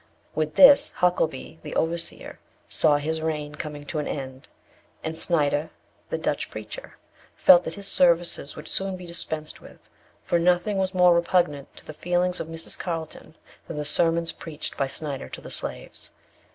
With this, Huckelby, the overseer, saw his reign coming to an end; and Snyder, the Dutch preacher, felt that his services would soon be dispensed with, for nothing was more repugnant to the feelings of Mrs. Carlton than the sermons preached by Snyder to the slaves.